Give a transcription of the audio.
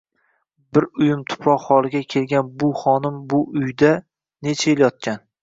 Bir uyum tuproq holiga kelgan u xonim bu uyda necha yil yotgan?